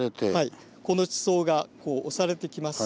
この地層がこう押されてきます。